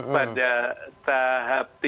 pada tahap tiga